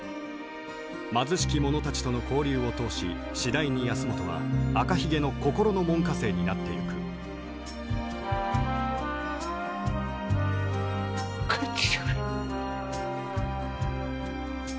貧しき者たちとの交流を通し次第に保本は赤ひげの心の門下生になっていく帰ってきてくれ。